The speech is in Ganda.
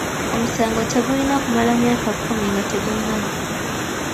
Omusango tegulina kumala myaka kkumi nga tegunaggwa.